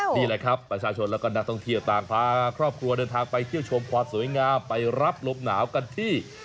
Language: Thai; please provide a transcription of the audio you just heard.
นี่แหละครับประชาชนแล้วก็นักท่องเที่ยวต่างพาครอบครัวเดินทางไปเที่ยวชมความสวยงามไปรับลมหนาวกันที่